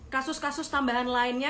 kasus kasus tambahan lainnya